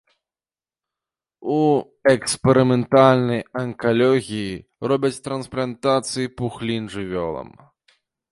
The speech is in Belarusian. У эксперыментальнай анкалогіі робяць трансплантацыі пухлін жывёлам.